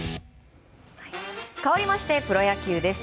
かわりましてプロ野球です。